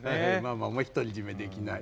ママも独り占めできない。